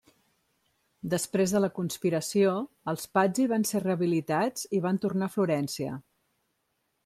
Després de la conspiració, els Pazzi van ser rehabilitats i van tornar a Florència.